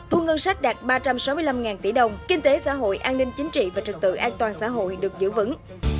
thu ngân sách đạt ba trăm sáu mươi năm tỷ đồng kinh tế xã hội an ninh chính trị và trực tự an toàn xã hội được giữ vững